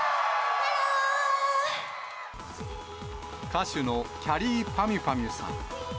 歌手のきゃりーぱみゅぱみゅさん。